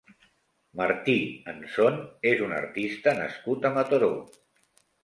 Martí Anson és un artista nascut a Mataró.